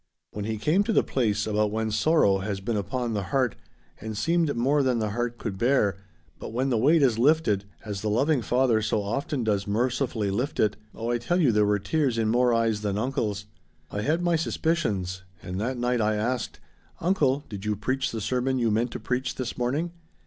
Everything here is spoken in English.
When he came to the place about when sorrow has been upon the heart, and seemed more than the heart could bear, but when the weight is lifted, as the loving Father so often does mercifully lift it oh I tell you there were tears in more eyes than uncle's. I had my suspicions, and that night I asked, 'Uncle, did you preach the sermon you meant to preach this morning?'